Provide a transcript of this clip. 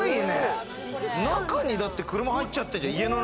中に、だって車、入っちゃってんじゃん！